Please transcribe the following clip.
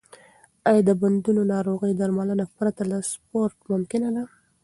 آیا د بندونو ناروغي درملنه پرته له سپورت ممکنه ده؟